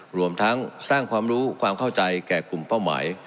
รวมทั้งสร้างความรู้ความเข้าใจแก่กลุ่มเป้าหมาย